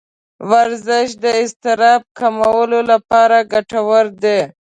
ورزش د اضطراب کمولو لپاره ګټور دی.